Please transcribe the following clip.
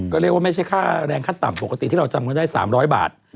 ก็เรียกว่าไม่ใช่ค่าแรงขั้นต่ำปกติที่เราจำกันได้๓๐๐บาท